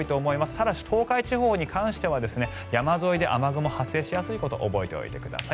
ただし、東海地方に関しては山沿いで雨雲が発生しやすいことを覚えておいてください。